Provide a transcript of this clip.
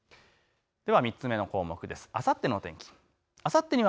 では３つ目の項目です